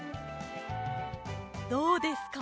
どうですか？